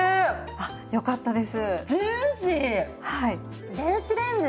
あっよかったです。